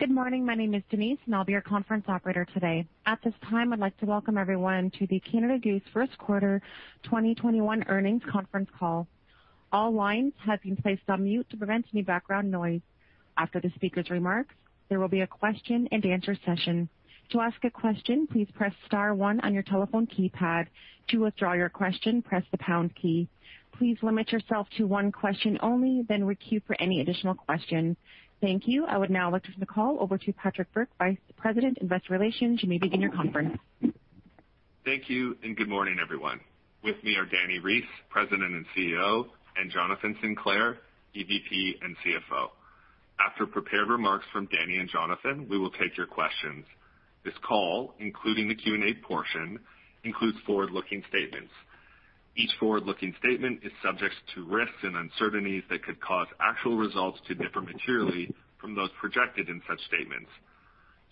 Good morning. My name is Denise and I'll be your conference operator today. At this time, I'd like to welcome everyone to the Canada Goose Q1 2021 earnings conference call. All lines have been placed on mute to prevent any background noise. After the speaker's remarks, there will be a question and answer session. To ask a question, please press star one on your telephone keypad. To withdraw your question, press the pound key. Please limit yourself to one question only, then re-queue for any additional questions. Thank you. I would now like to turn the call over to Patrick Burke, Vice President, Investor Relations. You may begin your conference. Thank you, and good morning, everyone. With me are Dani Reiss, President and CEO, and Jonathan Sinclair, EVP and CFO. After prepared remarks from Dani and Jonathan, we will take your questions. This call, including the Q&A portion, includes forward-looking statements. Each forward-looking statement is subject to risks and uncertainties that could cause actual results to differ materially from those projected in such statements.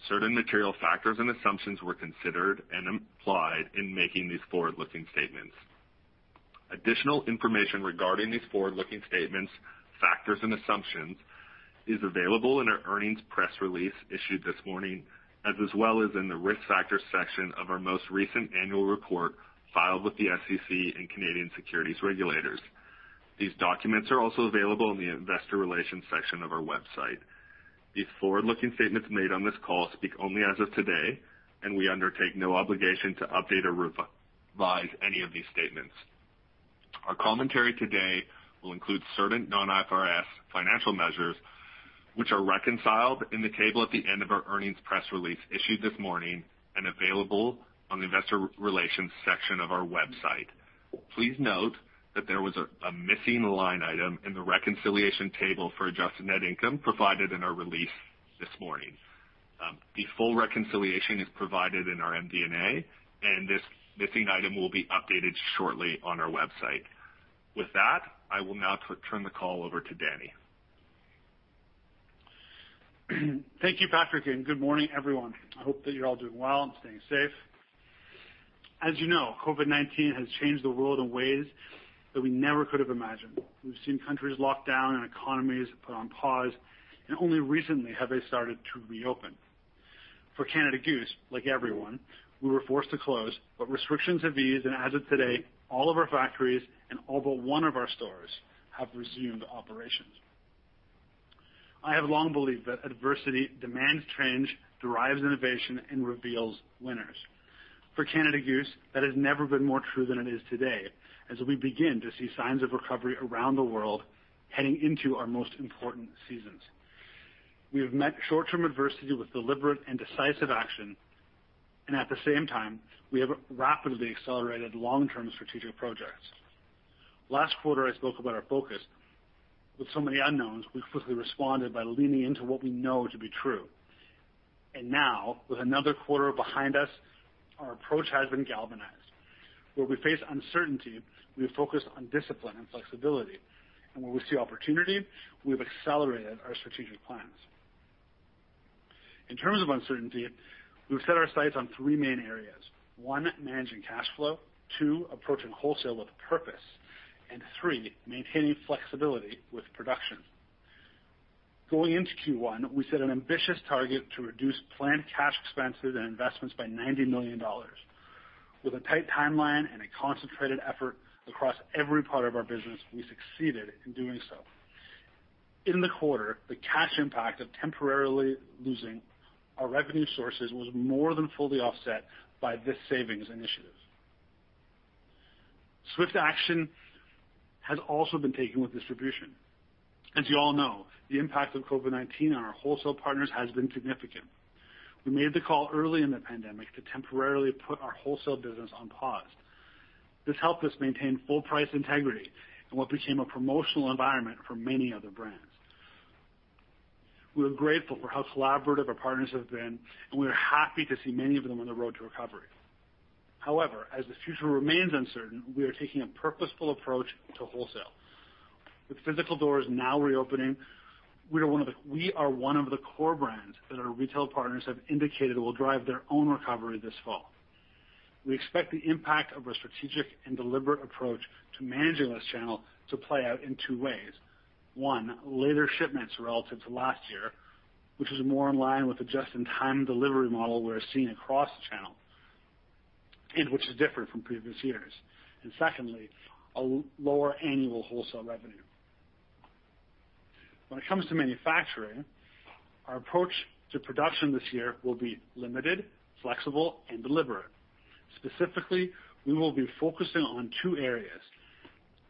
Certain material factors and assumptions were considered and applied in making these forward-looking statements. Additional information regarding these forward-looking statements, factors, and assumptions is available in our earnings press release issued this morning, as well as in the Risk Factors section of our most recent annual report filed with the SEC and Canadian securities regulators. These documents are also available in the Investor Relations section of our website. These forward-looking statements made on this call speak only as of today, and we undertake no obligation to update or revise any of these statements. Our commentary today will include certain non-IFRS financial measures, which are reconciled in the table at the end of our earnings press release issued this morning and available on the Investor Relations section of our website. Please note that there was a missing line item in the reconciliation table for adjusted net income provided in our release this morning. The full reconciliation is provided in our MD&A, and this missing item will be updated shortly on our website. With that, I will now turn the call over to Dani. Thank you, Patrick. Good morning, everyone. I hope that you're all doing well and staying safe. As you know, COVID-19 has changed the world in ways that we never could have imagined. We've seen countries lock down and economies put on pause, and only recently have they started to reopen. For Canada Goose, like everyone, we were forced to close, but restrictions have eased, and as of today, all of our factories and all but one of our stores have resumed operations. I have long believed that adversity demands change, drives innovation, and reveals winners. For Canada Goose, that has never been more true than it is today as we begin to see signs of recovery around the world heading into our most important seasons. We have met short-term adversity with deliberate and decisive action, and at the same time, we have rapidly accelerated long-term strategic projects. Last quarter, I spoke about our focus. With so many unknowns, we swiftly responded by leaning into what we know to be true, and now, with another quarter behind us, our approach has been galvanized. Where we face uncertainty, we have focused on discipline and flexibility, and where we see opportunity, we've accelerated our strategic plans. In terms of uncertainty, we've set our sights on three main areas. One, managing cash flow. Two, approaching wholesale with purpose. Three, maintaining flexibility with production. Going into Q1, we set an ambitious target to reduce planned cash expenses and investments by 90 million dollars. With a tight timeline and a concentrated effort across every part of our business, we succeeded in doing so. In the quarter, the cash impact of temporarily losing our revenue sources was more than fully offset by this savings initiative. Swift action has also been taken with distribution. As you all know, the impact of COVID-19 on our wholesale partners has been significant. We made the call early in the pandemic to temporarily put our wholesale business on pause. This helped us maintain full price integrity in what became a promotional environment for many other brands. We are grateful for how collaborative our partners have been, and we are happy to see many of them on the road to recovery. However, as the future remains uncertain, we are taking a purposeful approach to wholesale. With physical doors now reopening, we are one of the core brands that our retail partners have indicated will drive their own recovery this fall. We expect the impact of our strategic and deliberate approach to managing this channel to play out in two ways. One, later shipments relative to last year, which is more in line with the just-in-time delivery model we're seeing across the channel, and which is different from previous years. Secondly, a lower annual wholesale revenue. When it comes to manufacturing, our approach to production this year will be limited, flexible, and deliberate. Specifically, we will be focusing on two areas,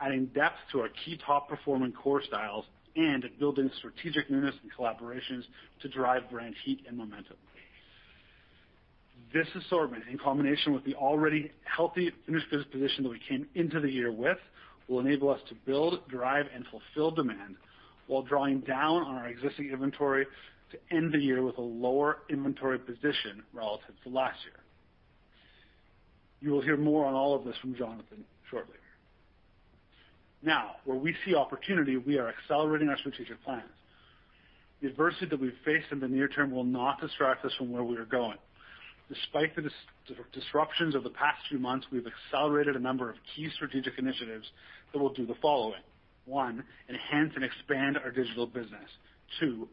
adding depth to our key top-performing core styles and building strategic newness and collaborations to drive brand heat and momentum. This assortment, in combination with the already healthy finished goods position that we came into the year with, will enable us to build, drive, and fulfill demand while drawing down on our existing inventory to end the year with a lower inventory position relative to last year. You will hear more on all of this from Jonathan shortly. Now, where we see opportunity, we are accelerating our strategic plans. The adversity that we face in the near term will not distract us from where we are going. Despite the disruptions of the past few months, we've accelerated a number of key strategic initiatives that will do the following. One, enhance and expand our digital business. Two,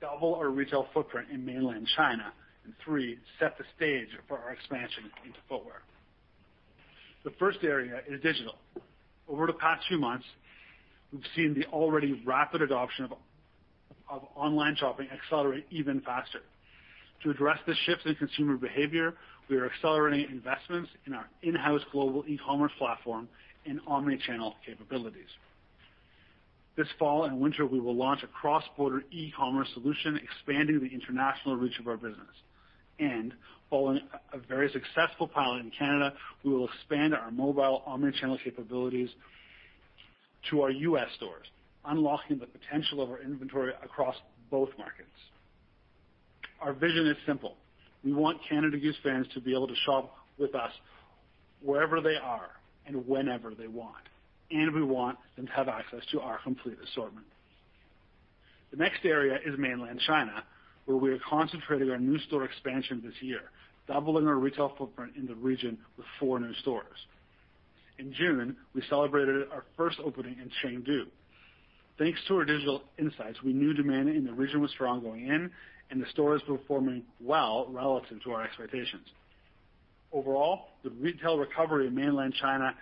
double our retail footprint in mainland China. Three, set the stage for our expansion into footwear. The first area is digital. Over the past few months, we've seen the already rapid adoption of online shopping accelerate even faster. To address the shifts in consumer behavior, we are accelerating investments in our in-house global e-commerce platform and omni-channel capabilities. This fall and winter, we will launch a cross-border e-commerce solution, expanding the international reach of our business. Following a very successful pilot in Canada, we will expand our mobile omni-channel capabilities to our U.S. stores, unlocking the potential of our inventory across both markets. Our vision is simple. We want Canada Goose fans to be able to shop with us wherever they are and whenever they want, and we want them to have access to our complete assortment. The next area is mainland China, where we are concentrating our new store expansion this year, doubling our retail footprint in the region with four new stores. In June, we celebrated our first opening in Chengdu. Thanks to our digital insights, we knew demand in the region was strong going in, and the store is performing well relative to our expectations. Overall, the retail recovery in mainland China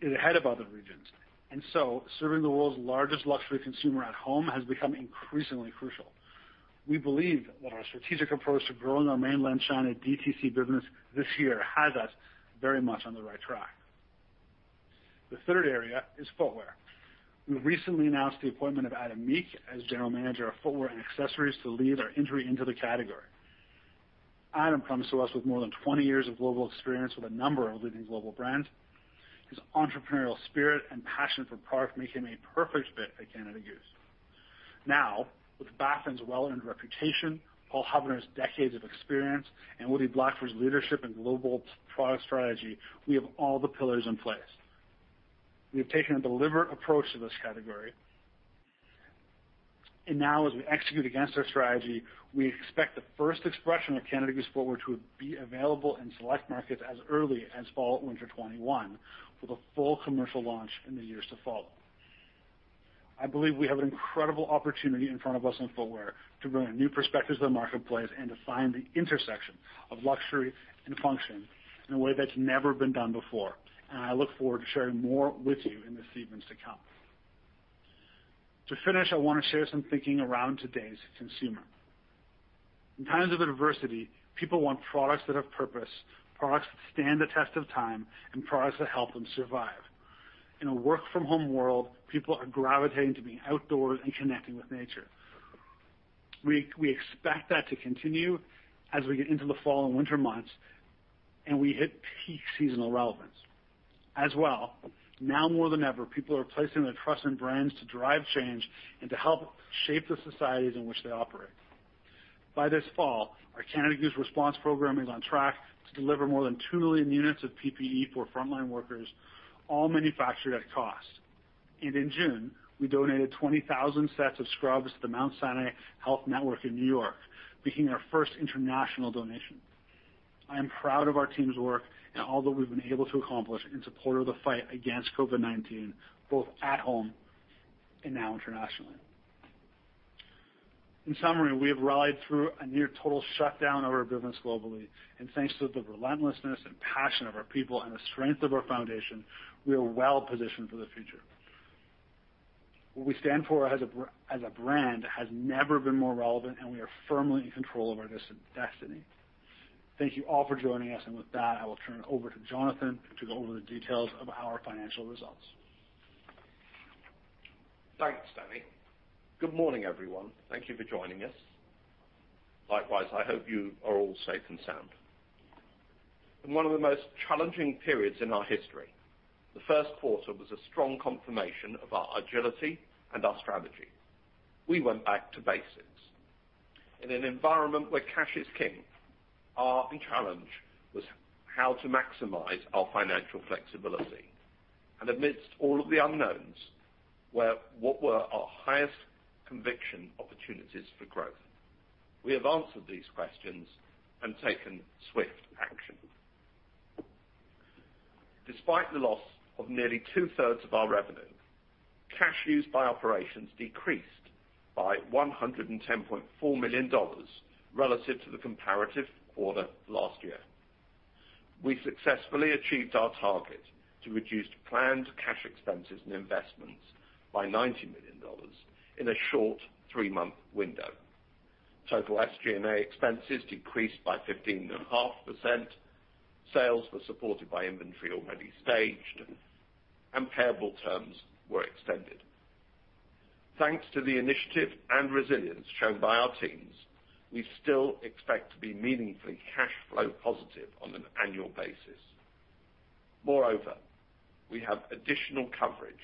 is ahead of other regions, and so serving the world's largest luxury consumer at home has become increasingly crucial. We believe that our strategic approach to growing our mainland China DTC business this year has us very much on the right track. The third area is footwear. We recently announced the appointment of Adam Meek as General Manager of Footwear and Accessories to lead our entry into the category. Adam comes to us with more than 20 years of global experience with a number of leading global brands. His entrepreneurial spirit and passion for product make him a perfect fit at Canada Goose. Now, with Baffin's well-earned reputation, Paul Hubner's decades of experience, and Woody Blackford's leadership in global product strategy, we have all the pillars in place. We have taken a deliberate approach to this category, and now as we execute against our strategy, we expect the first expression of Canada Goose footwear to be available in select markets as early as fall/winter 2021, with a full commercial launch in the years to follow. I believe we have an incredible opportunity in front of us in footwear to bring a new perspective to the marketplace and to find the intersection of luxury and function in a way that's never been done before. I look forward to sharing more with you in the seasons to come. To finish, I want to share some thinking around today's consumer. In times of adversity, people want products that have purpose, products that stand the test of time, and products that help them survive. In a work from home world, people are gravitating to being outdoors and connecting with nature. We expect that to continue as we get into the fall and winter months and we hit peak seasonal relevance. As well, now more than ever, people are placing their trust in brands to drive change and to help shape the societies in which they operate. By this fall, our Canada Goose Response Program is on track to deliver more than 2 million units of PPE for frontline workers, all manufactured at cost. In June, we donated 20,000 sets of scrubs to the Mount Sinai Health System in N.Y., making our first international donation. I am proud of our team's work and all that we've been able to accomplish in support of the fight against COVID-19, both at home and now internationally. In summary, we have rallied through a near total shutdown of our business globally, and thanks to the relentlessness and passion of our people and the strength of our foundation, we are well positioned for the future. What we stand for as a brand has never been more relevant, and we are firmly in control of our destiny. Thank you all for joining us, and with that, I will turn it over to Jonathan to go over the details of our financial results. Thanks, Dani. Good morning, everyone. Thank you for joining us. Likewise, I hope you are all safe and sound. In one of the most challenging periods in our history, the Q1 was a strong confirmation of our agility and our strategy. We went back to basics. In an environment where cash is king, our challenge was how to maximize our financial flexibility, and amidst all of the unknowns, what were our highest conviction opportunities for growth? We have answered these questions and taken swift action. Despite the loss of nearly two-thirds of our revenue, cash used by operations decreased by 110.4 million dollars relative to the comparative quarter last year. We successfully achieved our target to reduce planned cash expenses and investments by 90 million dollars in a short three-month window. Total SG&A expenses decreased by 15.5%, sales were supported by inventory already staged, and payable terms were extended. Thanks to the initiative and resilience shown by our teams, we still expect to be meaningfully cash flow positive on an annual basis. Moreover, we have additional coverage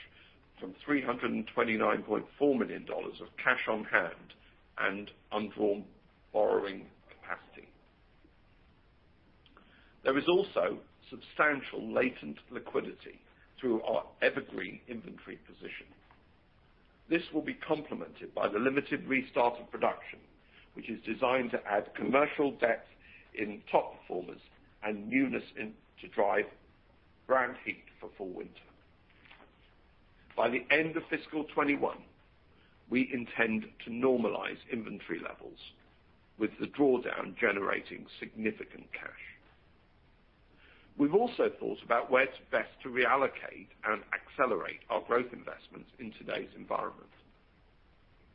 from 329.4 million dollars of cash on hand and undrawn borrowing capacity. There is also substantial latent liquidity through our evergreen inventory position. This will be complemented by the limited restart of production, which is designed to add commercial depth in top performers and newness to drive brand heat for fall/winter. By the end of fiscal 2021, we intend to normalize inventory levels with the drawdown generating significant cash. We've also thought about where to best to reallocate and accelerate our growth investments in today's environment.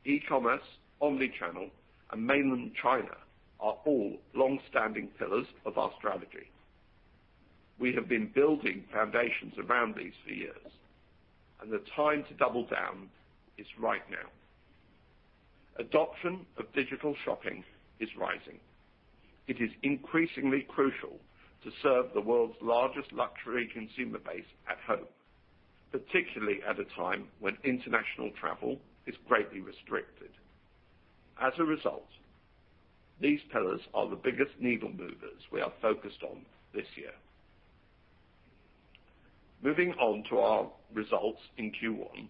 E-commerce, omni-channel, and mainland China are all longstanding pillars of our strategy. We have been building foundations around these for years. The time to double down is right now. Adoption of digital shopping is rising. It is increasingly crucial to serve the world's largest luxury consumer base at home, particularly at a time when international travel is greatly restricted. As a result, these pillars are the biggest needle movers we are focused on this year. Moving on to our results in Q1,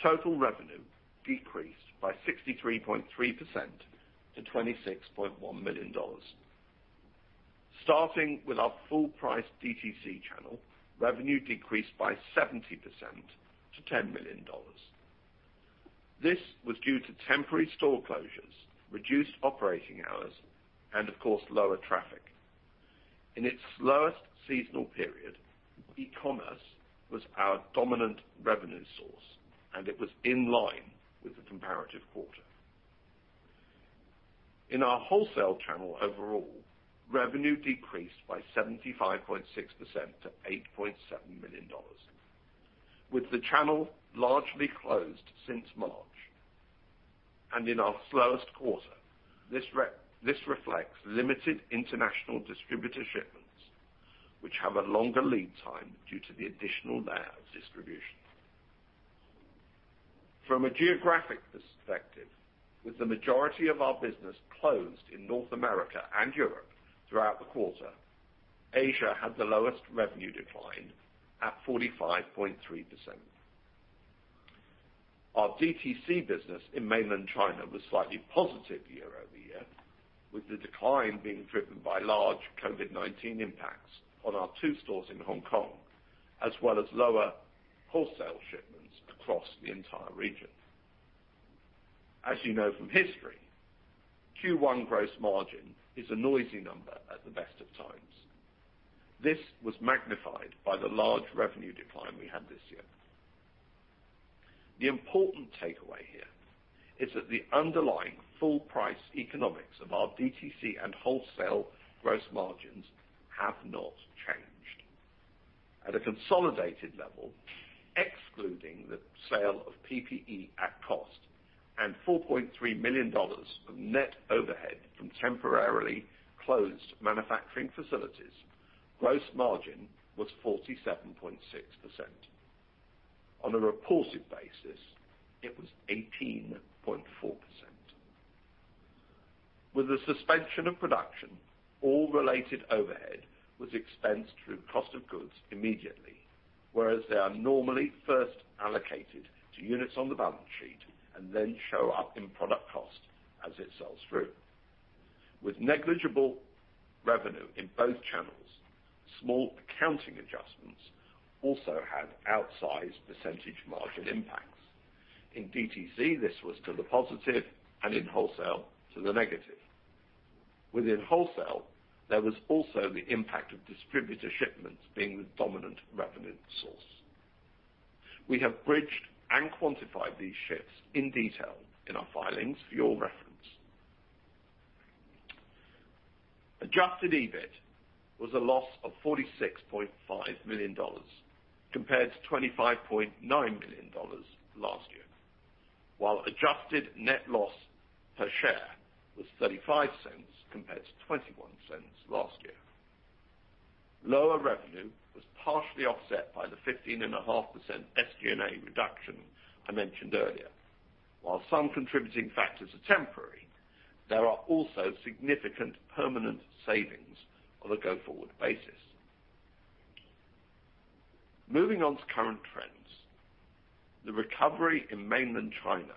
total revenue decreased by 63.3% to 26.1 million dollars. Starting with our full price DTC channel, revenue decreased by 70% to 10 million dollars. This was due to temporary store closures, reduced operating hours, and of course, lower traffic. In its slowest seasonal period, e-commerce was our dominant revenue source, and it was in line with the comparative quarter. In our wholesale channel overall, revenue decreased by 75.6% to 8.7 million, with the channel largely closed since March. In our slowest quarter, this reflects limited international distributor shipments, which have a longer lead time due to the additional layer of distribution. From a geographic perspective, with the majority of our business closed in North America and Europe throughout the quarter, Asia had the lowest revenue decline at 45.3%. Our DTC business in mainland China was slightly positive year-over-year, with the decline being driven by large COVID-19 impacts on our two stores in Hong Kong, as well as lower wholesale shipments across the entire region. As you know from history, Q1 gross margin is a noisy number at the best of times. This was magnified by the large revenue decline we had this year. The important takeaway here is that the underlying full-price economics of our DTC and wholesale gross margins have not changed. At a consolidated level, excluding the sale of PPE at cost and 4.3 million dollars of net overhead from temporarily closed manufacturing facilities, gross margin was 47.6%. On a reported basis, it was 18.4%. With the suspension of production, all related overhead was expensed through cost of goods immediately, whereas they are normally first allocated to units on the balance sheet and then show up in product cost as it sells through. With negligible revenue in both channels, small accounting adjustments also had outsized percentage margin impacts. In DTC, this was to the positive, and in wholesale, to the negative. Within wholesale, there was also the impact of distributor shipments being the dominant revenue source. We have bridged and quantified these shifts in detail in our filings for your reference. Adjusted EBIT was a loss of 46.5 million dollars compared to 25.9 million dollars last year, while adjusted net loss per share was 0.35 compared to 0.21 last year. Lower revenue was partially offset by the 15.5% SG&A reduction I mentioned earlier. While some contributing factors are temporary, there are also significant permanent savings on a go-forward basis. Moving on to current trends. The recovery in mainland China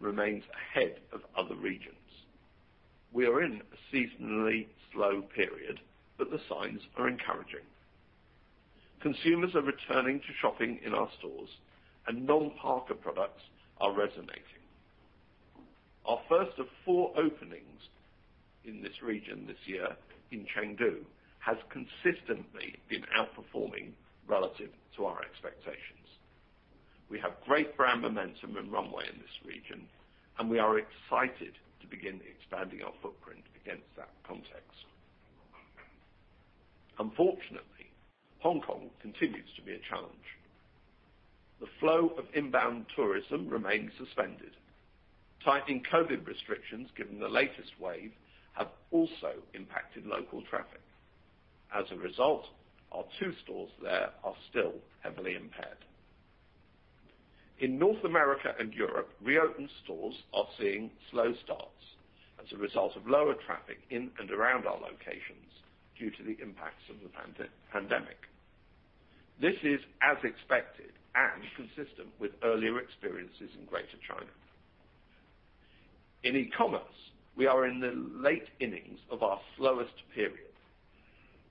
remains ahead of other regions. We are in a seasonally slow period, but the signs are encouraging. Consumers are returning to shopping in our stores and non-parka products are resonating. Our first of four openings in this region this year in Chengdu has consistently been outperforming relative to our expectations. We have great brand momentum and runway in this region, and we are excited to begin expanding our footprint against that context. Unfortunately, Hong Kong continues to be a challenge. The flow of inbound tourism remains suspended. Tightening COVID restrictions given the latest wave have also impacted local traffic. As a result, our two stores there are still heavily impaired. In North America and Europe, reopened stores are seeing slow starts as a result of lower traffic in and around our locations due to the impacts of the pandemic. This is as expected and consistent with earlier experiences in Greater China. In e-commerce, we are in the late innings of our slowest period,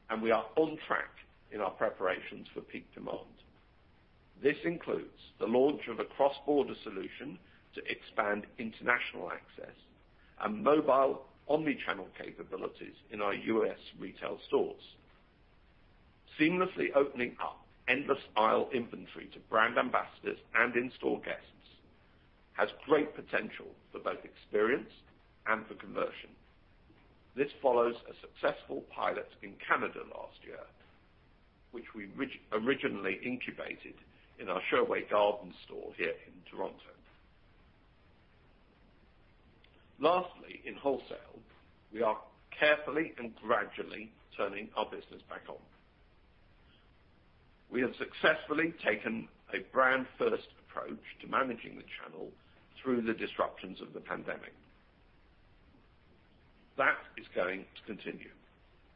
and we are on track in our preparations for peak demand. This includes the launch of a cross-border solution to expand international access and mobile omni-channel capabilities in our U.S. retail stores. Seamlessly opening up endless aisle inventory to brand ambassadors and in-store guests has great potential for both experience and for conversion. This follows a successful pilot in Canada last year, which we originally incubated in our Sherway Gardens store here in Toronto. Lastly, in wholesale, we are carefully and gradually turning our business back on. We have successfully taken a brand-first approach to managing the channel through the disruptions of the pandemic. That is going to continue.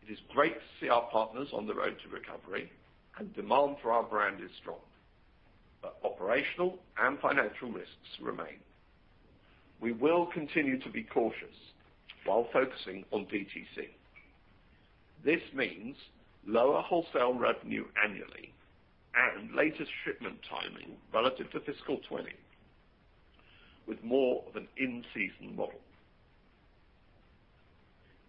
It is great to see our partners on the road to recovery, and demand for our brand is strong. Operational and financial risks remain. We will continue to be cautious while focusing on DTC. This means lower wholesale revenue annually and later shipment timing relative to fiscal 2020, with more of an in-season model.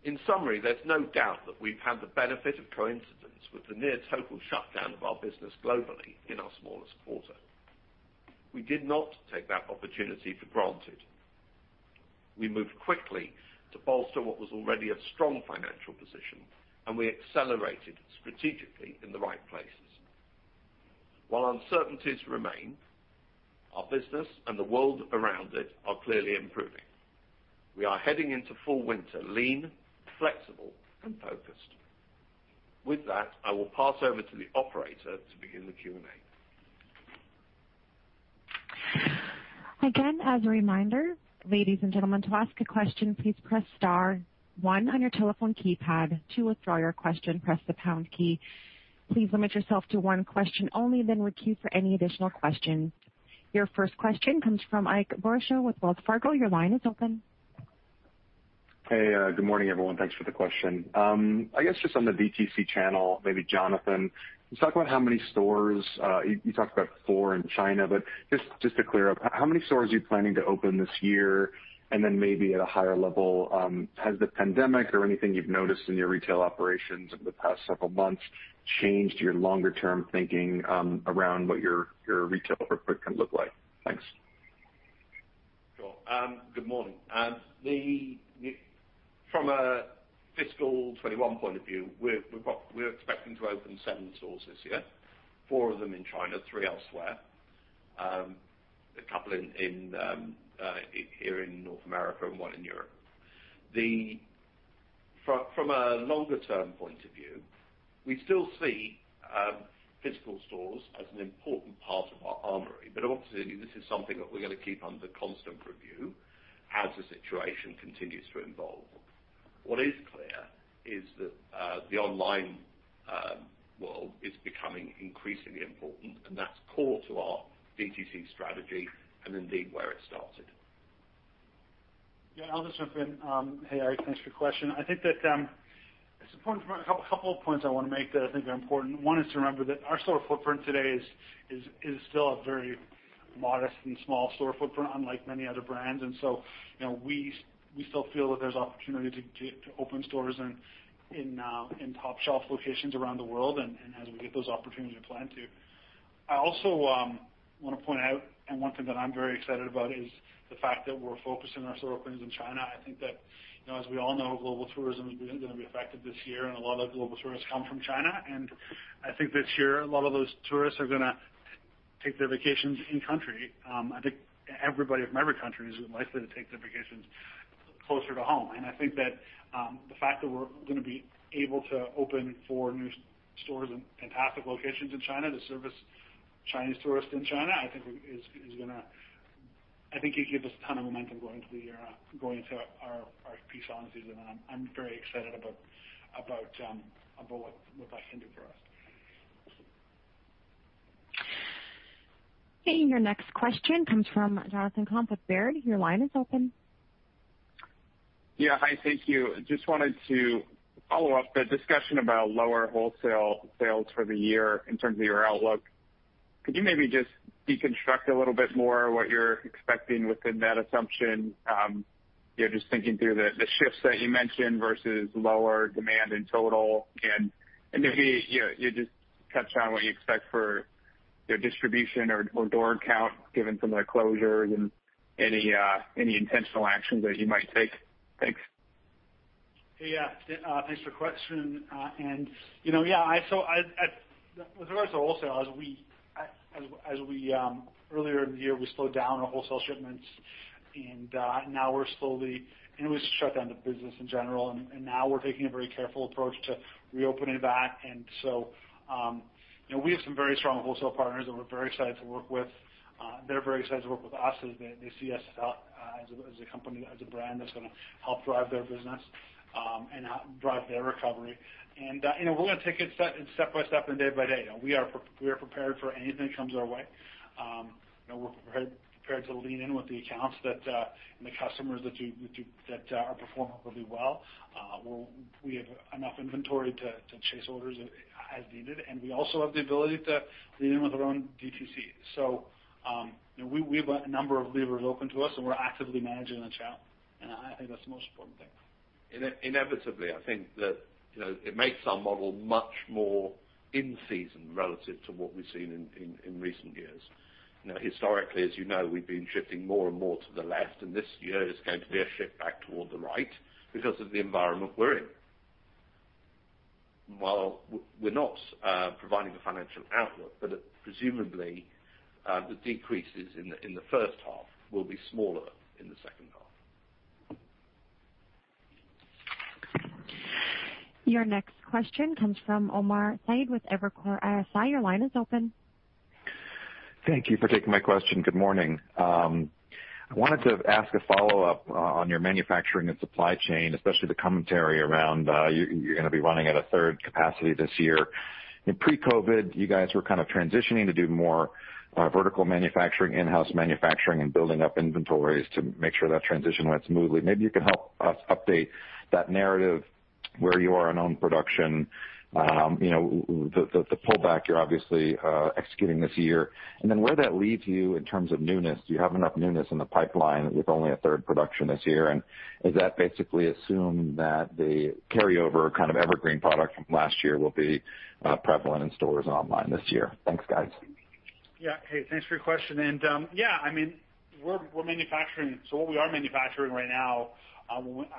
In summary, there's no doubt that we've had the benefit of coincidence with the near total shutdown of our business globally in our smallest quarter. We did not take that opportunity for granted. We moved quickly to bolster what was already a strong financial position, and we accelerated strategically in the right places. While uncertainties remain, our business and the world around it are clearly improving. We are heading into fall/winter lean, flexible and focused. With that, I will pass over to the operator to begin the Q&A. Again, as a reminder, ladies and gentlemen, to ask a question, please press star one on your telephone keypad. To withdraw your question, press the pound key. Please limit yourself to one question only, then queue for any additional questions. Your first question comes from Ike Boruchow with Wells Fargo. Your line is open. Hey, good morning, everyone. Thanks for the question. I guess just on the DTC channel, maybe Jonathan, let's talk about how many stores. Just to clear up, how many stores are you planning to open this year? Maybe at a higher level, has the pandemic or anything you've noticed in your retail operations over the past several months changed your longer-term thinking around what your retail footprint can look like? Thanks. Sure. Good morning. From a fiscal 2021 point of view, we're expecting to open seven stores this year, four of them in China, three elsewhere. A couple here in North America and one in Europe. From a longer-term point of view, we still see physical stores as an important part of our armory. Obviously, this is something that we're going to keep under constant review as the situation continues to evolve. What is clear is that the online world is becoming increasingly important, and that's core to our DTC strategy and indeed where it started. Yeah, I'll just jump in. Hey, Ike, thanks for your question. I think that there's a couple of points I want to make that I think are important. One is to remember that our store footprint today is still a very modest and small store footprint, unlike many other brands. We still feel that there's opportunity to open stores in top shelf locations around the world, and as we get those opportunities, we plan to. I also want to point out, and one thing that I'm very excited about, is the fact that we're focusing our store openings in China. I think that, as we all know, global tourism isn't going to be effective this year, and a lot of global tourists come from China. I think this year, a lot of those tourists are going to take their vacations in country. I think everybody from every country is likely to take their vacations closer to home. I think that the fact that we're going to be able to open four new stores in fantastic locations in China to service Chinese tourists in China, I think it gives us a ton of momentum going into the year, going into our peak holiday season. I'm very excited about what that can do for us. Okay. Your next question comes from Jonathan Komp with Baird. Your line is open. Yeah. Hi, thank you. Just wanted to follow up the discussion about lower wholesale sales for the year in terms of your outlook. Could you maybe just deconstruct a little bit more what you're expecting within that assumption? Just thinking through the shifts that you mentioned versus lower demand in total, and maybe you just touch on what you expect for distribution or door count, given some of the closures and any intentional actions that you might take. Thanks. Yeah. Thanks for the question. Yeah, with regards to wholesale, as earlier in the year, we slowed down our wholesale shipments. We just shut down the business in general. Now we're taking a very careful approach to reopening back. We have some very strong wholesale partners that we're very excited to work with. They're very excited to work with us as they see us as a brand that's going to help drive their business and help drive their recovery. We're going to take it step by step and day by day. We are prepared for anything that comes our way. We're prepared to lean in with the accounts and the customers that are performing really well. We have enough inventory to chase orders as needed. We also have the ability to lean in with our own D2C. We have a number of levers open to us, and we're actively managing the channel, and I think that's the most important thing. Inevitably, I think that it makes our model much more in season relative to what we've seen in recent years. Now, historically, as you know, we've been shifting more and more to the left, and this year is going to be a shift back toward the right because of the environment we're in. While we're not providing a financial outlook, but presumably, the decreases in the H1 will be smaller in the H2. Your next question comes from Omar Saad with Evercore ISI. Your line is open. Thank you for taking my question. Good morning. I wanted to ask a follow-up on your manufacturing and supply chain, especially the commentary around you're gonna be running at a third capacity this year. In pre-COVID, you guys were kind of transitioning to do more vertical manufacturing, in-house manufacturing, and building up inventories to make sure that transition went smoothly. Maybe you can help us update that narrative where you are on own production. The pullback you're obviously executing this year. Where that leaves you in terms of newness. Do you have enough newness in the pipeline with only a third production this year? Does that basically assume that the carryover kind of evergreen product from last year will be prevalent in stores and online this year? Thanks, guys. Hey, thanks for your question. What we are manufacturing right now,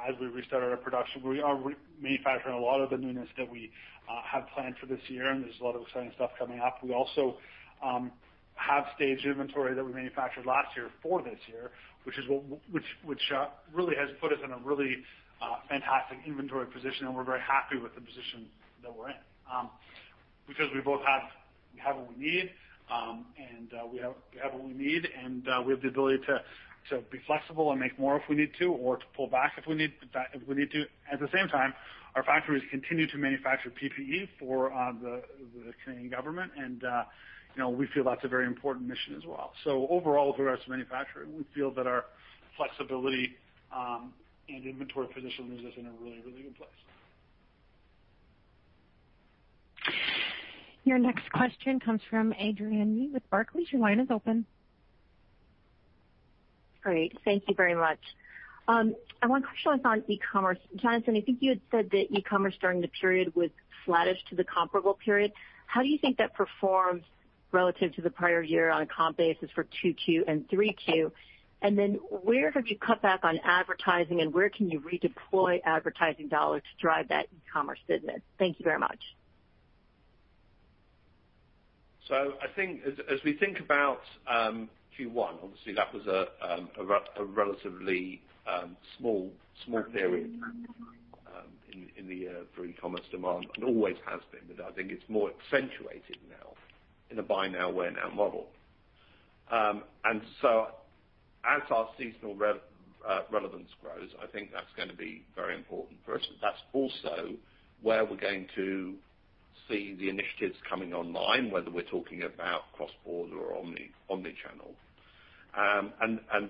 as we restart our production, we are manufacturing a lot of the newness that we have planned for this year. There's a lot of exciting stuff coming up. We also have staged inventory that we manufactured last year for this year, which really has put us in a really fantastic inventory position. We're very happy with the position that we're in. We have what we need. We have the ability to be flexible and make more if we need to or to pull back if we need to. At the same time, our factories continue to manufacture PPE for the Canadian government. We feel that's a very important mission as well. Overall, with regards to manufacturing, we feel that our flexibility and inventory position leaves us in a really good place. Your next question comes from Adrienne Yih with Barclays. Your line is open. Great. Thank you very much. I have one question on e-commerce. Jonathan, I think you had said that e-commerce during the period was flattish to the comparable period. How do you think that performs relative to the prior year on a comp basis for Q2 and Q3? Where have you cut back on advertising, and where can you redeploy advertising dollars to drive that e-commerce business? Thank you very much. As we think about Q1, obviously, that was a relatively small period in the year for e-commerce demand and always has been, but I think it's more accentuated now in a buy now, wear now model. As our seasonal relevance grows, I think that's going to be very important for us. That's also where we're going to see the initiatives coming online, whether we're talking about cross-border or omni-channel.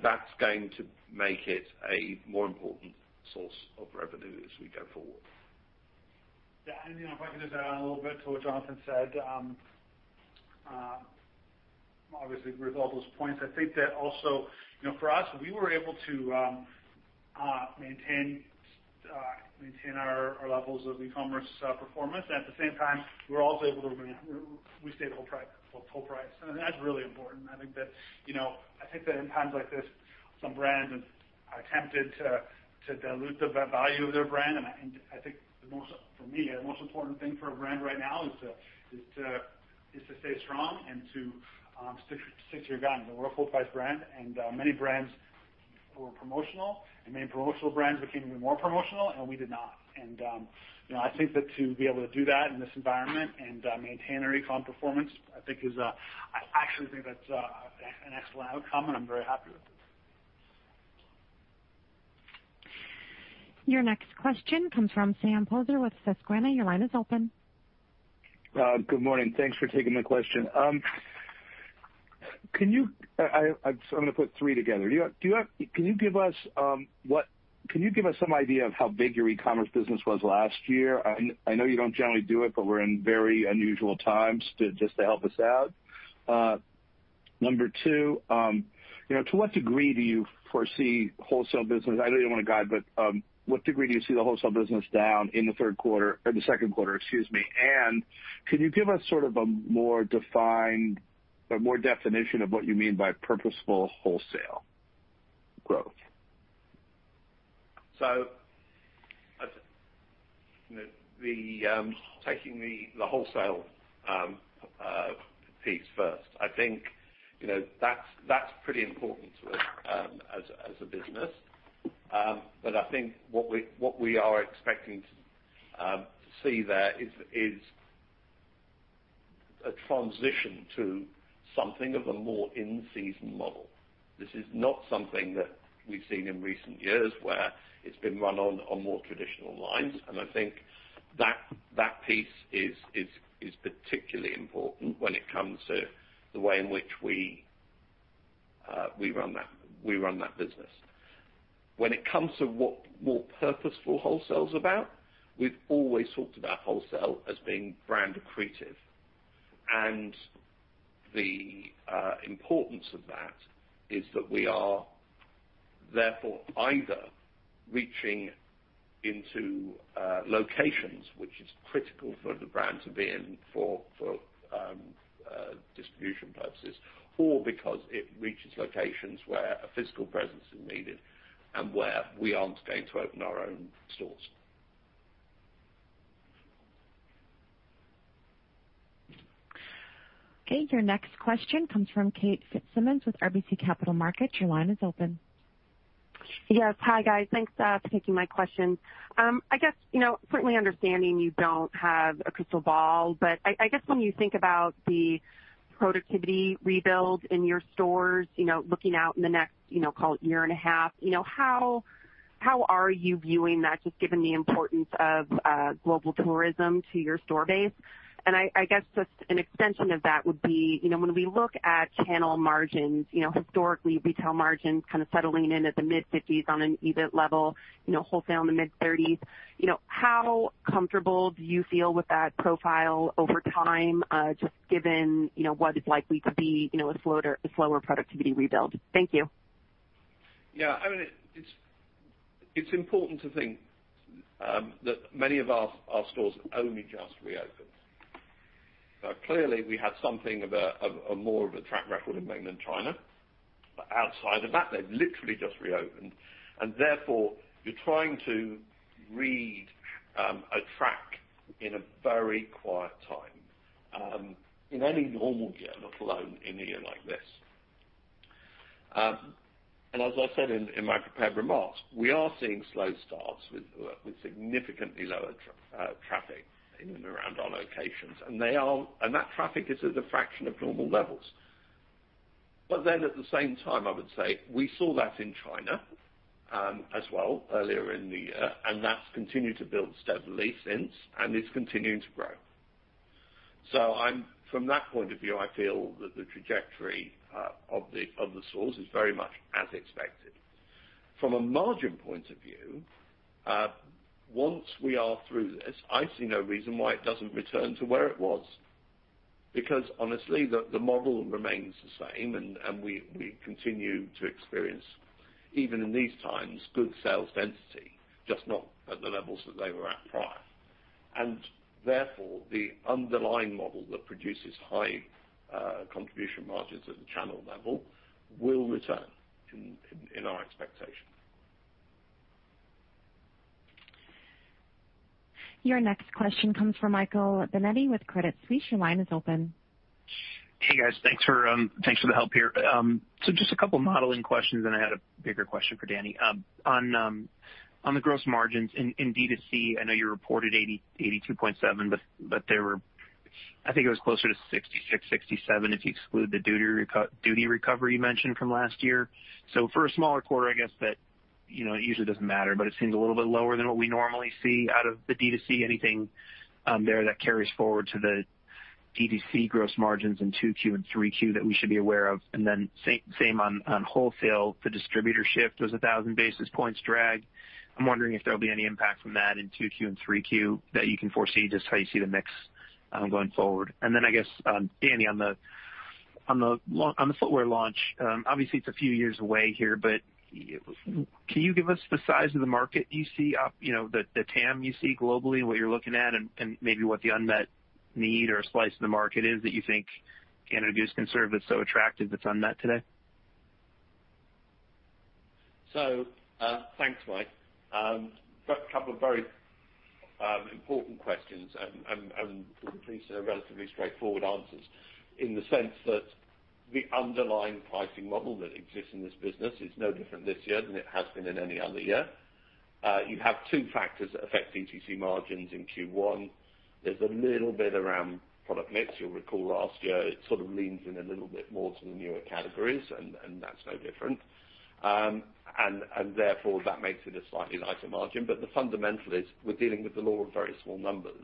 That's going to make it a more important source of revenue as we go forward. Yeah, if I could just add a little bit to what Jonathan said. Obviously, agree with all those points. I think that also for us, we were able to maintain our levels of e-commerce performance. At the same time, we stayed full price, and that's really important. I think that in times like this, some brands are tempted to dilute the value of their brand, and I think for me, the most important thing for a brand right now is to stay strong and to stick to your guns, and we're a full-price brand, and many brands were promotional, and many promotional brands became even more promotional, and we did not. I think that to be able to do that in this environment and maintain our e-com performance, I actually think that's an excellent outcome, and I'm very happy with it. Your next question comes from Sam Poser with Susquehanna. Your line is open. Good morning. Thanks for taking the question. I'm going to put three together. Can you give us some idea of how big your e-commerce business was last year? I know you don't generally do it, but we're in very unusual times, just to help us out. Number two, to what degree do you foresee wholesale business-- I know you don't want to guide, but what degree do you see the wholesale business down in the Q2? Can you give us sort of a more defined, or more definition of what you mean by purposeful wholesale growth. Taking the wholesale piece first, I think that's pretty important to us as a business. I think what we are expecting to see there is a transition to something of a more in-season model. This is not something that we've seen in recent years where it's been run on more traditional lines. I think that piece is particularly important when it comes to the way in which we run that business. When it comes to what purposeful wholesale's about, we've always talked about wholesale as being brand accretive. The importance of that is that we are therefore either reaching into locations which is critical for the brand to be in for distribution purposes, or because it reaches locations where a physical presence is needed and where we aren't going to open our own stores. Okay. Your next question comes from Kate Fitzsimons with RBC Capital Markets. Your line is open. Yes. Hi, guys. Thanks for taking my question. I guess, currently understanding you don't have a crystal ball, but I guess when you think about the productivity rebuild in your stores, looking out in the next call it year and a half, how are you viewing that, just given the importance of global tourism to your store base? I guess just an extension of that would be, when we look at channel margins, historically retail margins kind of settling in at the mid-fifties on an EBIT level, wholesale in the mid-thirties. How comfortable do you feel with that profile over time, just given what is likely to be a slower productivity rebuild? Thank you. It's important to think that many of our stores only just reopened. Clearly, we had something of more of a track record in mainland China. Outside of that, they've literally just reopened, and therefore you're trying to read a track in a very quiet time, in any normal year, let alone in a year like this. As I said in my prepared remarks, we are seeing slow starts with significantly lower traffic in and around our locations. That traffic is at a fraction of normal levels. At the same time, I would say we saw that in China, as well earlier in the year, and that's continued to build steadily since, and is continuing to grow. From that point of view, I feel that the trajectory of the stores is very much as expected. From a margin point of view, once we are through this, I see no reason why it doesn't return to where it was. Honestly, the model remains the same, and we continue to experience, even in these times, good sales density, just not at the levels that they were at prior. Therefore, the underlying model that produces high contribution margins at the channel level will return in our expectation. Your next question comes from Michael Binetti with Credit Suisse. Your line is open. Hey, guys. Thanks for the help here. Just a couple modeling questions, then I had a bigger question for Dani. On the gross margins in D2C, I know you reported 82.7, but it was closer to 66, 67 if you exclude the duty recovery you mentioned from last year. For a smaller quarter, I guess that it usually doesn't matter, but it seems a little bit lower than what we normally see out of the D2C. Anything there that carries forward to the D2C gross margins in Q2 and Q3 that we should be aware of? Then same on wholesale. The distributor shift was 1,000 basis points drag. I'm wondering if there'll be any impact from that in Q2 and Q3 that you can foresee, just how you see the mix going forward. I guess, Dani, on the footwear launch, obviously it's a few years away here, but can you give us the size of the market you see up, the TAM you see globally and what you're looking at and maybe what the unmet need or slice of the market is that you think Canada Goose can serve that's so attractive that's unmet today? Thanks, Mike. I've got a couple of very important questions, these are relatively straightforward answers in the sense that the underlying pricing model that exists in this business is no different this year than it has been in any other year. You have two factors that affect D2C margins in Q1. There's a little bit around product mix. You'll recall last year it sort of leans in a little bit more to the newer categories, that's no different. Therefore, that makes it a slightly lighter margin. The fundamental is we're dealing with the law of very small numbers,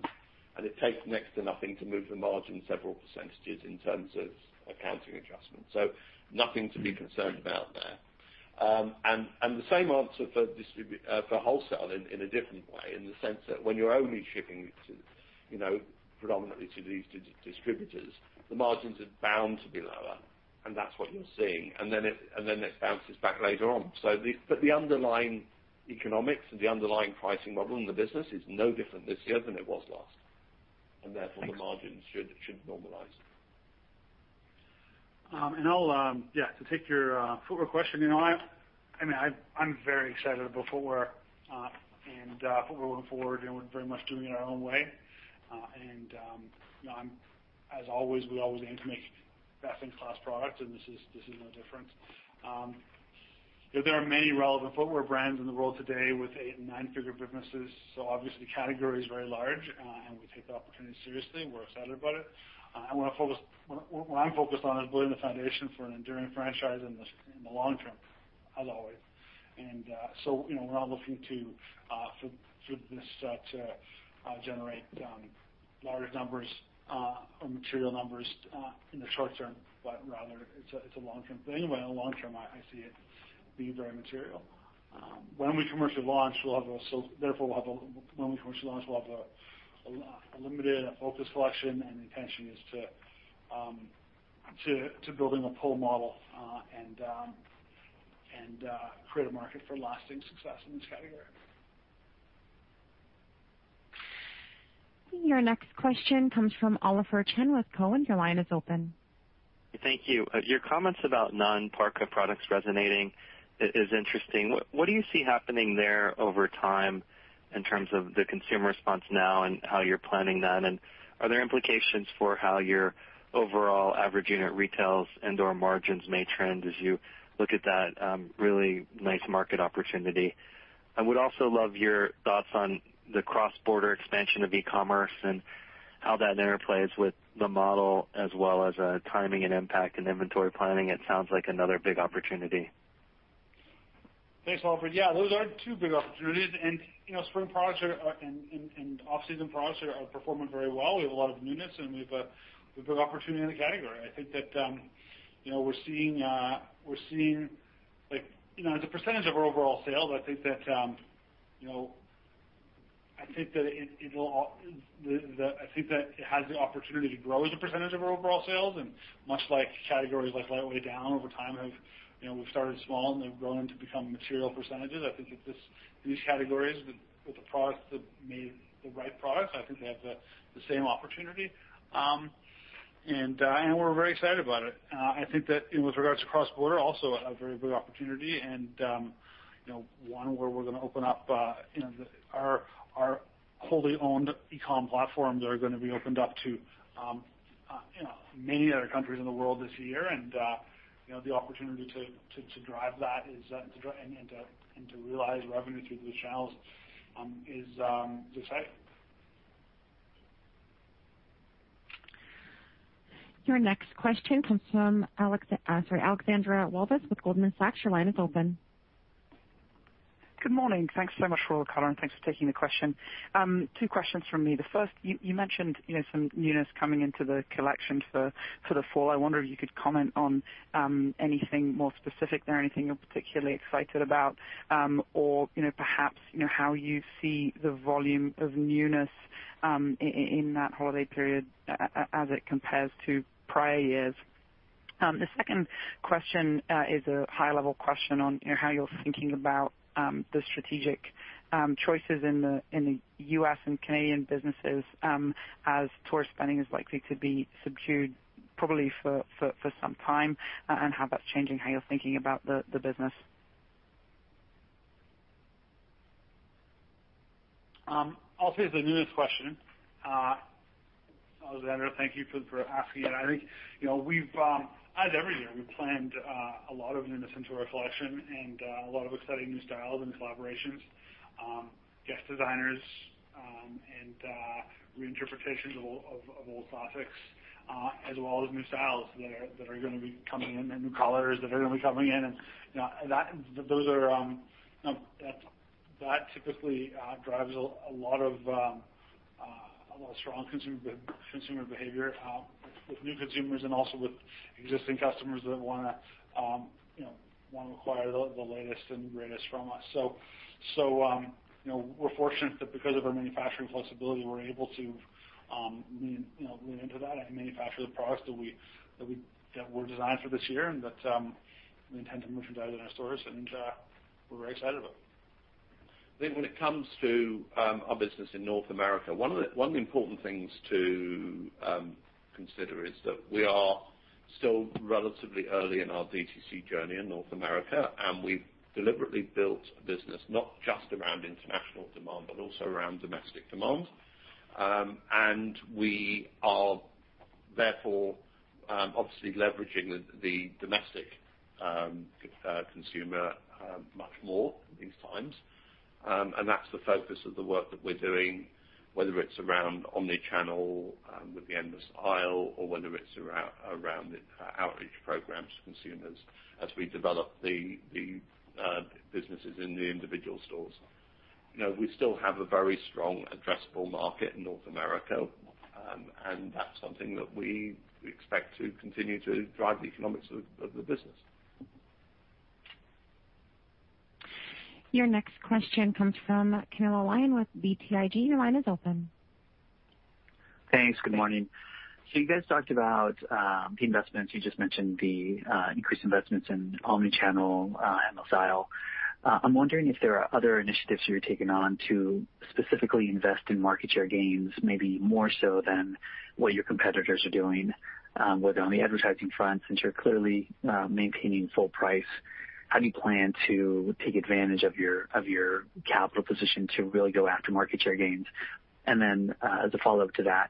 it takes next to nothing to move the margin several percentages in terms of accounting adjustments. Nothing to be concerned about there. The same answer for wholesale in a different way in the sense that when you're only shipping predominantly to these distributors, the margins are bound to be lower. That's what you're seeing. Then it bounces back later on. The underlying economics and the underlying pricing model in the business is no different this year than it was last. Thank you. Therefore the margins should normalize. To take your footwear question, I'm very excited about footwear. Footwear going forward, very much doing it our own way. As always, we always aim to make best-in-class products, and this is no different. There are many relevant footwear brands in the world today with 8-figure and 9-figure businesses. Obviously, the category is very large, and we take the opportunity seriously. We're excited about it. What I'm focused on is building the foundation for an enduring franchise in the long term, as always. We're not looking to, through this, to generate large numbers or material numbers in the short term, but rather it's a long-term thing. In the long term, I see it being very material. When we commercially launch, therefore we'll have a limited and a focused selection and the intention is to building a pull model, and create a market for lasting success in this category. Your next question comes from Oliver Chen with Cowen. Your line is open. Thank you. Your comments about non-parka products resonating is interesting. What do you see happening there over time in terms of the consumer response now and how you're planning that? Are there implications for how your overall average unit retails and/or margins may trend as you look at that really nice market opportunity? I would also love your thoughts on the cross-border expansion of e-commerce and how that interplays with the model as well as timing and impact and inventory planning. It sounds like another big opportunity. Thanks, Oliver. Yeah, those are two big opportunities and spring products and off-season products are performing very well. We have a lot of newness and we've a good opportunity in the category. I think that we're seeing, as a percentage of our overall sales, I think that it has the opportunity to grow as a percentage of our overall sales and much like categories like Lightweight Down over time, we've started small, and they've grown into becoming material percentages. I think these categories with the products, the right products, I think they have the same opportunity. We're very excited about it. I think that with regards to cross-border, also a very big opportunity, and one where our wholly owned e-com platforms are going to be opened up to many other countries in the world this year. The opportunity to drive that and to realize revenue through those channels is exciting. Your next question comes from Alexandra Walvis with Goldman Sachs. Your line is open. Good morning. Thanks so much for all the color, and thanks for taking the question. Two questions from me. The first, you mentioned some newness coming into the collection for the fall. I wonder if you could comment on anything more specific there, anything you're particularly excited about. Perhaps how you see the volume of newness in that holiday period as it compares to prior years. The second question is a high-level question on how you're thinking about the strategic choices in the U.S. and Canadian businesses as tourist spending is likely to be subdued probably for some time, and how that's changing how you're thinking about the business. I'll take the newness question. Alexandra, thank you for asking it. As every year, we planned a lot of newness into our collection and a lot of exciting new styles and collaborations. Guest designers and reinterpretations of old classics, as well as new styles that are gonna be coming in and new colors that are gonna be coming in. That typically drives a lot of strong consumer behavior with new consumers and also with existing customers that wanna acquire the latest and greatest from us. We're fortunate that because of our manufacturing flexibility, we're able to lean into that and manufacture the products that were designed for this year and that we intend to merchandise in our stores, and we're very excited about it. I think when it comes to our business in North America, one of the important things to consider is that we are still relatively early in our DTC journey in North America, and we've deliberately built a business not just around international demand, but also around domestic demand. We are therefore obviously leveraging the domestic consumer much more these times. That's the focus of the work that we're doing, whether it's around omni-channel with the endless aisle or whether it's around the outreach program to consumers as we develop the businesses in the individual stores. We still have a very strong addressable market in North America, and that's something that we expect to continue to drive the economics of the business. Your next question comes from Camilo Lyon with BTIG. Your line is open. Thanks. Good morning. You guys talked about the investments. You just mentioned the increased investments in omni-channel and mobile. I'm wondering if there are other initiatives you're taking on to specifically invest in market share gains, maybe more so than what your competitors are doing with on the advertising front, since you're clearly maintaining full price. How do you plan to take advantage of your capital position to really go after market share gains? As a follow-up to that,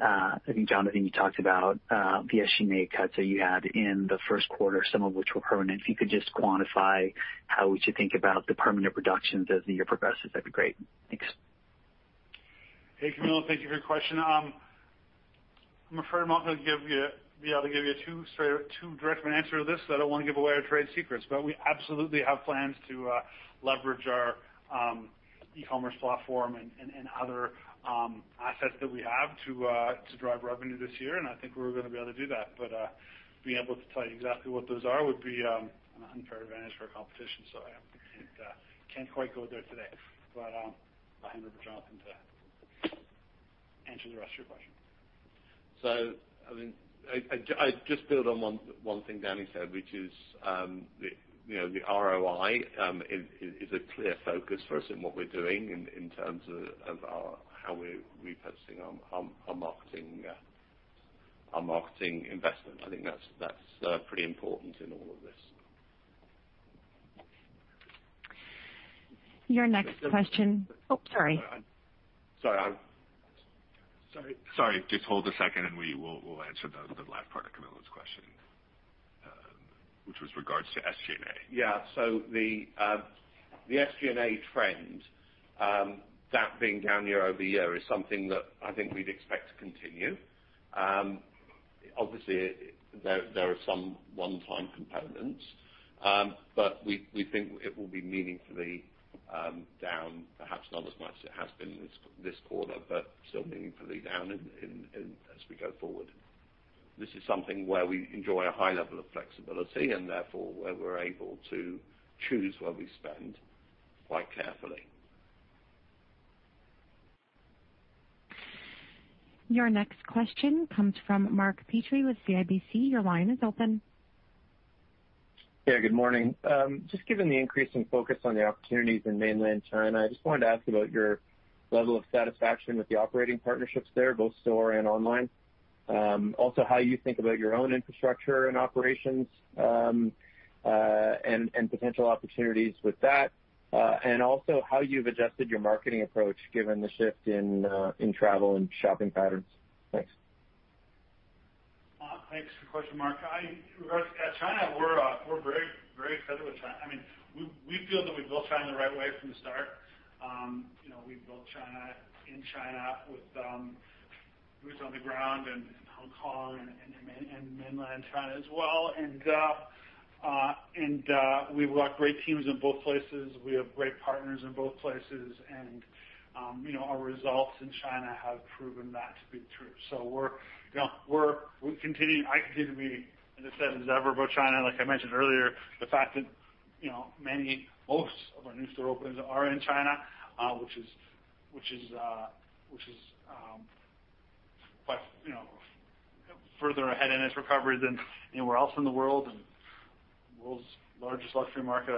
I think, Jonathan, you talked about the SG&A cuts that you had in the Q1, some of which were permanent. If you could just quantify how we should think about the permanent reductions as the year progresses, that'd be great. Thanks. Hey, Camilo, thank you for your question. I'm afraid I'm not going to be able to give you too direct of an answer to this because I don't want to give away our trade secrets. We absolutely have plans to leverage our e-commerce platform and other assets that we have to drive revenue this year, and I think we're going to be able to do that. Being able to tell you exactly what those are would be an unfair advantage for our competition. I can't quite go there today. I'll hand over to Jonathan to answer the rest of your question. I'll just build on one thing Dani said, which is the ROI is a clear focus for us in what we're doing in terms of how we're repurposing our marketing investment. I think that's pretty important in all of this. Oh, sorry. Sorry, I'm Sorry. Sorry, just hold a second and we'll answer the last part of Camilo's question, which was regards to SG&A. Yeah. The SG&A trend, that being down year-over-year, is something that I think we'd expect to continue. Obviously, there are some one-time components. We think it will be meaningfully down, perhaps not as much as it has been this quarter, but still meaningfully down as we go forward. This is something where we enjoy a high level of flexibility, and therefore, where we're able to choose where we spend quite carefully. Your next question comes from Mark Petrie with CIBC. Your line is open. Yeah, good morning. Just given the increasing focus on the opportunities in mainland China, I just wanted to ask about your level of satisfaction with the operating partnerships there, both store and online. How you think about your own infrastructure and operations, and potential opportunities with that. How you've adjusted your marketing approach given the shift in travel and shopping patterns. Thanks. Thanks for the question, Mark. Regarding China, we're very excited with China. We feel that we built China in the right way from the start. We built China in China with boots on the ground in Hong Kong and mainland China as well. We've got great teams in both places. We have great partners in both places, and our results in China have proven that to be true. I continue to be as excited as ever about China. Like I mentioned earlier, the fact that most of our new store openings are in China which is further ahead in its recovery than anywhere else in the world, and the world's largest luxury market,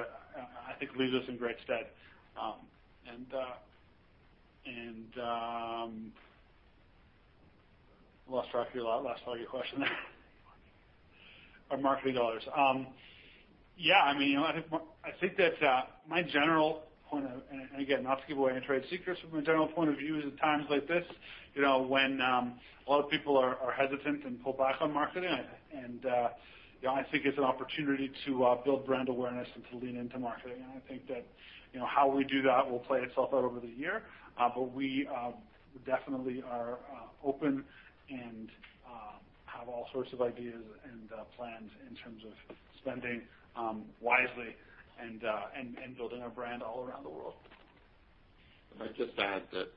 I think leaves us in great stead. I lost track of your last part of your question there on marketing dollars. Yeah, I think that my general point of, again, not to give away any trade secrets, but my general point of view is at times like this, when a lot of people are hesitant and pull back on marketing, I think it's an opportunity to build brand awareness and to lean into marketing. I think that how we do that will play itself out over the year. We definitely are open and have all sorts of ideas and plans in terms of spending wisely and building our brand all around the world. Can I just add that,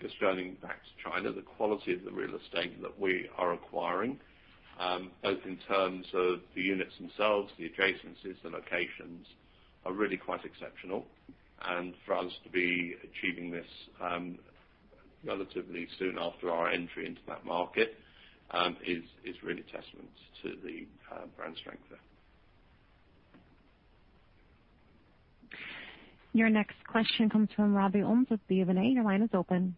just turning back to China, the quality of the real estate that we are acquiring, both in terms of the units themselves, the adjacencies, the locations, are really quite exceptional. For us to be achieving this relatively soon after our entry into that market is really testament to the brand strength there. Your next question comes from Robbie Ohmes with BofA. Your line is open.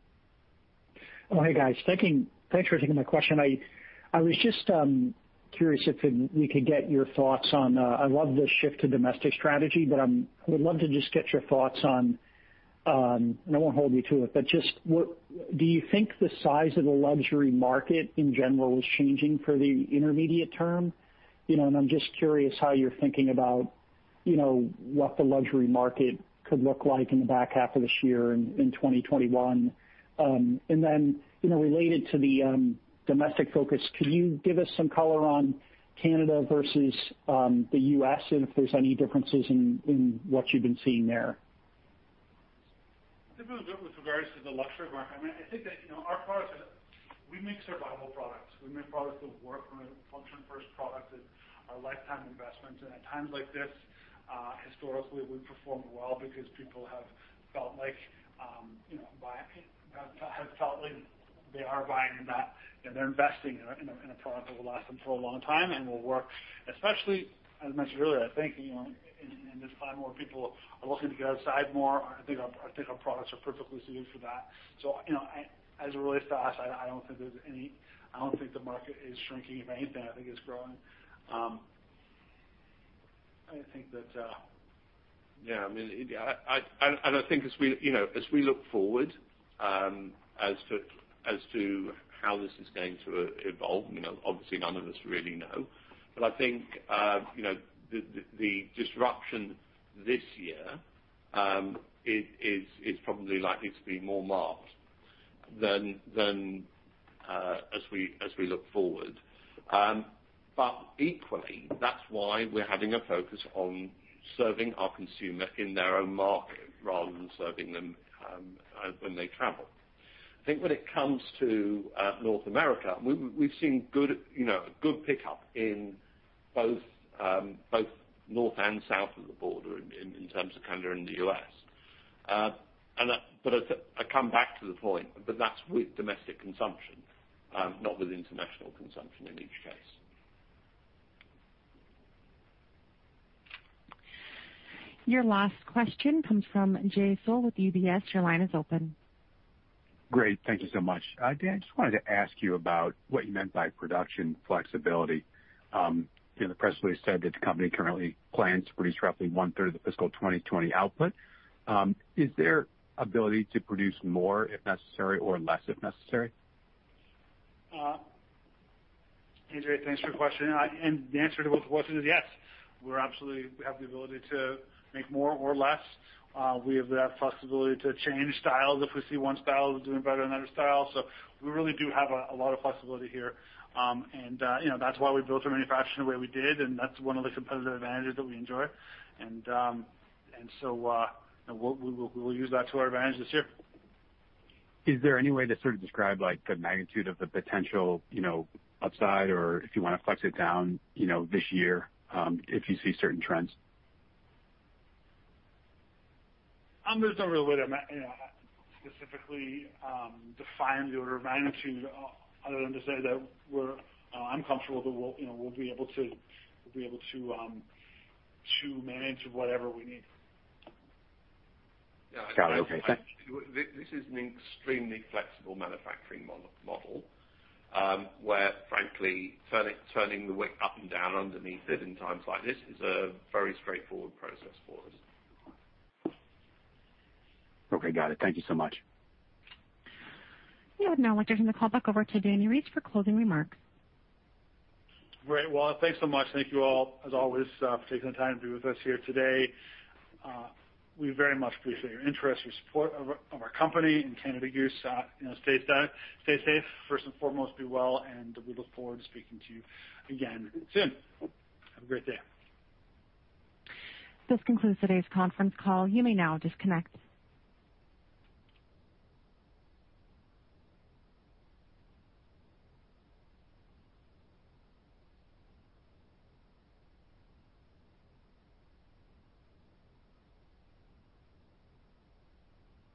Oh, hey, guys. Thanks for taking my question. I love the shift to domestic strategy, but I would love to get your thoughts on, and I won't hold you to it, do you think the size of the luxury market in general is changing for the intermediate term? I'm curious how you're thinking about what the luxury market could look like in the back half of this year and in 2021. Related to the domestic focus, can you give us some color on Canada versus the U.S. and if there's any differences in what you've been seeing there? Definitely with regards to the luxury market. I think that our products, we make survival products. We make products that work from a function-first product that are lifetime investments. At times like this, historically, we perform well because people have felt like they are buying that. They're investing in a product that will last them for a long time and will work, especially, as I mentioned earlier, I think, in this time where people are looking to get outside more, I think our products are perfectly suited for that. As it relates to us, I don't think the market is shrinking. If anything, I think it's growing. I think as we look forward as to how this is going to evolve, obviously none of us really know. I think the disruption this year is probably likely to be more marked than as we look forward. Equally, that's why we're having a focus on serving our consumer in their own market rather than serving them when they travel. I think when it comes to North America, we've seen good pickup in both north and south of the border in terms of Canada and the U.S. I come back to the point, but that's with domestic consumption, not with international consumption in each case. Your last question comes from Jay Sole with UBS. Your line is open. Great. Thank you so much. Dani, just wanted to ask you about what you meant by production flexibility. The press release said that the company currently plans to produce roughly one-third of the fiscal 2020 output. Is there ability to produce more if necessary or less if necessary? Andre, thanks for your question. The answer to both questions is yes. We absolutely have the ability to make more or less. We have that flexibility to change styles if we see one style is doing better than other styles. We really do have a lot of flexibility here. That's why we built our manufacturing the way we did, and that's one of the competitive advantages that we enjoy. We will use that to our advantage this year. Is there any way to sort of describe the magnitude of the potential upside or if you want to flex it down this year, if you see certain trends? There's no real way to specifically define the order of magnitude other than to say that I'm comfortable that we'll be able to manage whatever we need. Yeah. Got it. Okay. Thanks. This is an extremely flexible manufacturing model, where frankly, turning the wick up and down underneath it in times like this is a very straightforward process for us. Okay. Got it. Thank you so much. We would now like to turn the call back over to Dani Reiss for closing remarks. Great. Well, thanks so much. Thank you all as always for taking the time to be with us here today. We very much appreciate your interest, your support of our company and Canada Goose. Stay safe first and foremost, be well, and we look forward to speaking to you again soon. Have a great day. This concludes today's conference call. You may now disconnect.